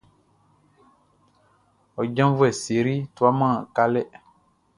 Ɔ janvuɛ Sery tuaman kalɛ.